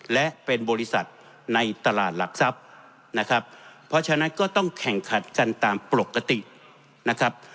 และเป็นบริษัทในตลาดหลักทรัพย์นะครับเพราะฉะนั้นก็ต้องแข่งขันกันตามปกตินะครับ